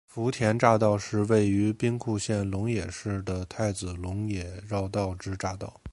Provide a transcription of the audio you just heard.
福田匝道是位于兵库县龙野市的太子龙野绕道之匝道。